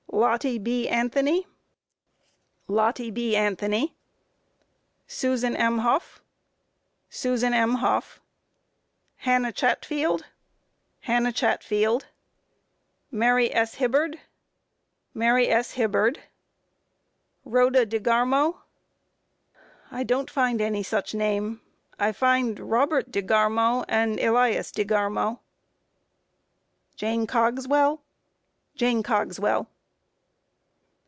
Q. Lottie B. Anthony? A. Lottie B. Anthony. Q. Susan M. Hough? A. Susan M. Hough. Q. Hannah Chatfield? A. Hannah Chatfield. Q. Mary S. Hibbard? A. Mary S. Hibbard. Q. Rhoda DeGarmo? A. I don't find any such name; I find Robert DeGarmo and Elias DeGarmo. Q. Jane Cogswell? A. Jane Cogswell.